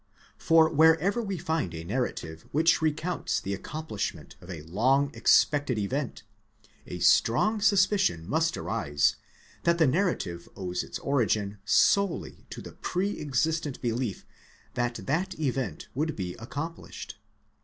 For wherever we find a narrative which recounts the accomplishment of a long expected event, a strong suspicion must arise, that the narrative owes its origin solely to the pre existent belief that that event would be accomplished.